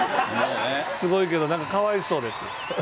すごいけど、かわいそうです。